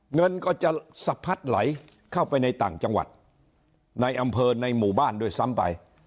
เงินก็จะสะพัดไหลเข้าไปในต่างจังหวัดในอำเภอในหมู่บ้านด้วยซ้ำไป